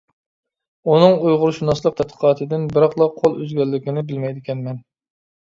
ئۇنىڭ ئۇيغۇرشۇناسلىق تەتقىقاتىدىن بىراقلا قول ئۈزگەنلىكىنى بىلمەيدىكەنمەن.